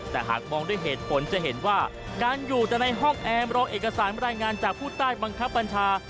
แต่หากมองด้วยเหตุผลจะเห็นว่าการอยู่แต่ในห้องแอมรอเอกสารรายงานจากผู้ใต้บังคับบัญชา